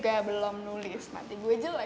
gue juga belum nulis nanti gue jelek nilainya